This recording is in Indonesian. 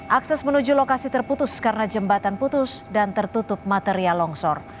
akses menuju lokasi terputus karena jembatan putus dan tertutup material longsor